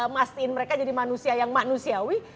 masin mereka jadi manusia yang manusiawi